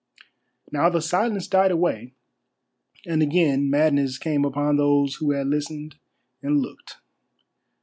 Now the silence died away, and again madness came upon those who had listened and looked.